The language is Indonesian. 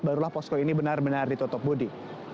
barulah posko ini benar benar ditutup budi